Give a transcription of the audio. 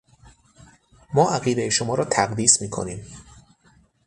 ما عقیدهٔ شما را تقدیس میکنیم.